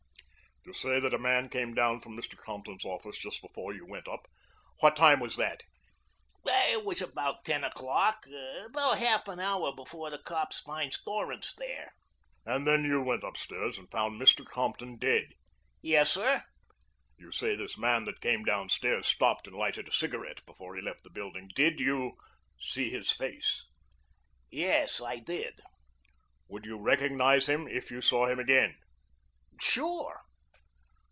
"You say that a man came down from Mr. Compton's office just before you went up? What time was that?" "It was about ten o'clock, about half an hour before the cops finds Torrance there." "And then you went upstairs and found Mr. Compton dead?" "Yes, sir." "You say this man that came downstairs stopped and lighted a cigarette before he left the building. Did you see his face?" "Yes, I did." "Would you recognize him if you saw him again?" "Sure."